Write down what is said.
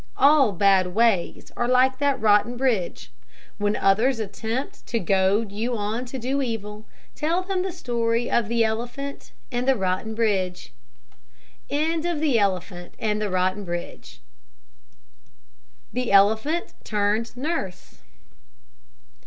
All bad ways are like that rotten bridge. When others attempt to goad you on to do evil, tell them the story of the elephant and the rotten bridge. THE ELEPHANT TURNED NURSE.